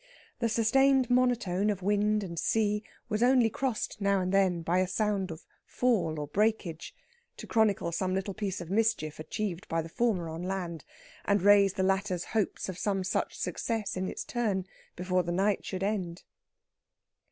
The sustained monotone of wind and sea was only crossed now and then by a sound of fall or breakage, to chronicle some little piece of mischief achieved by the former on land, and raise the latter's hopes of some such success in its turn before the night should end....